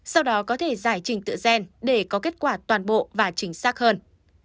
sau đó có thể giải trình tự gen để có kết quả toàn bộ và chính xác hơn